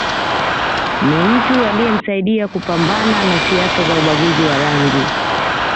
Ni mtu aliyemsaidia kupambana na siasa za ubaguzi wa rangi